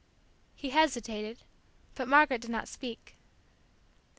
He hesitated, but Margaret did not speak.